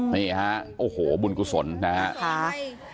นี่ครับโอ้โหบุญกุศลนะครับ